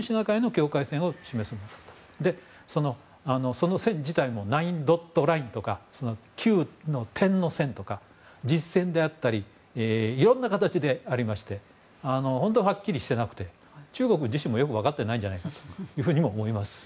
その線自体もナインドットラインとか九の点の線とか実線であったりいろんな形でありまして本当にはっきりしてなくて中国自身もよく分かってないんじゃないかとも思います。